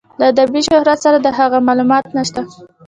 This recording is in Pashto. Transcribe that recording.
له ادبي شهرت سره د هغه معلومات نشته.